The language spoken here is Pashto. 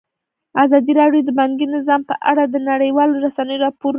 ازادي راډیو د بانکي نظام په اړه د نړیوالو رسنیو راپورونه شریک کړي.